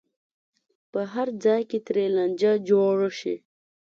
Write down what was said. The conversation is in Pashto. په هر ځای کې ترې لانجه جوړه شي.